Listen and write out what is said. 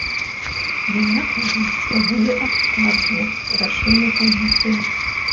Яна кажа, што будзе абскарджваць рашэнне камісіі.